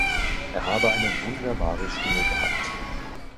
Er habe eine wunderbare Stimme gehabt.